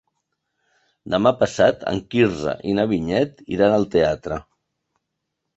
Demà passat en Quirze i na Vinyet iran al teatre.